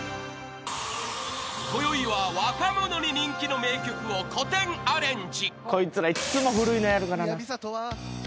［こよいは若者に人気の名曲を古典アレンジ］